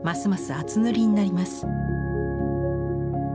厚塗りになります。